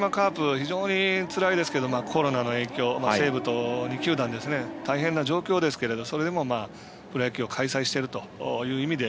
非常につらいですけどコロナの影響で西武と２球団大変な状況ですけどそれでも、プロ野球を開催してるという意味で